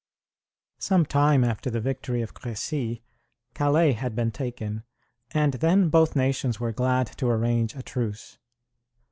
Some time after the victory of Crecy, Calais had been taken, and then both nations were glad to arrange a truce.